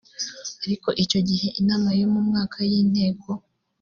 ariko icyo gihe inama yo mu mwaka y inteko